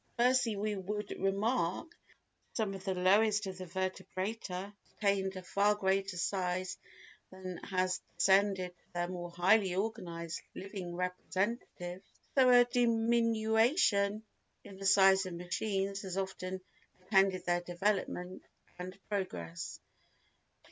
Firstly we would remark that as some of the lowest of the vertebrata attained a far greater size than has descended to their more highly organised living representatives, so a diminution in the size of machines has often attended their development and progress.